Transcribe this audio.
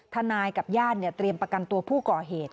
ทนายกับญาติเตรียมประกันตัวผู้ก่อเหตุ